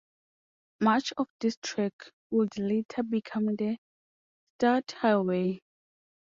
Much of this track would later become the Stuart Highway.